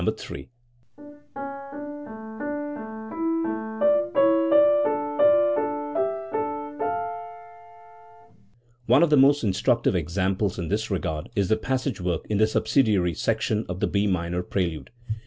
3): One of the most instructive examples in this regard is the passage work in the subsidiary section of the B minor prelude.